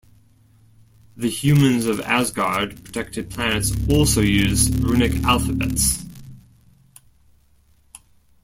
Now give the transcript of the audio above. The humans of Asgard-protected planets also use runic alphabets.